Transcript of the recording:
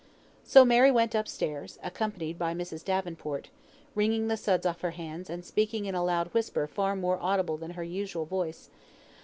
So Mary went up stairs, accompanied by Mrs. Davenport, wringing the suds off her hands, and speaking in a loud whisper far more audible than her usual voice.